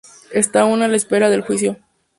Está aún a la espera de juicio.